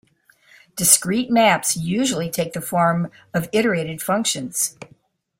Discrete maps usually take the form of iterated functions.